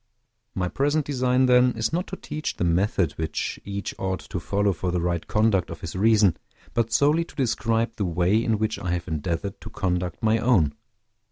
My present design, then, is not to teach the method which each ought to follow for the right conduct of his reason, but solely to describe the way in which I have endeavored to conduct my own.